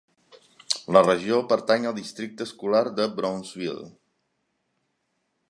La regió pertany al districte escolar de Brownsville.